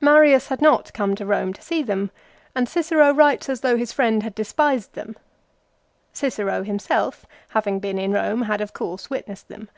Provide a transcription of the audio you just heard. Marius had not come to Eome 1 Ca. zviii. xx. xxii. 48 LIFE OF CICERO. to see them, and Cicero writes as though his friend had despised them. Cicero himself, having been in Rome, had of course witnessed them.